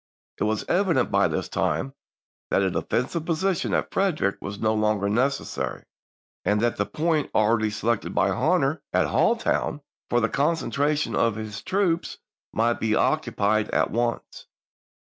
It was evident by this time that a defensive position at Frederick was no longer necessary, and that the point already selected by Hunter, at Halltown, for the concentra EABLY'S CAMPAIGN AGAINST WASHINGTON 181 tion of his troops might be occupied at once.